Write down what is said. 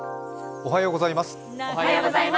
おはようございます。